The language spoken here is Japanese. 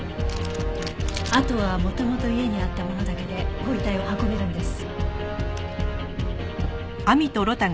あとは元々家にあったものだけでご遺体を運べるんです。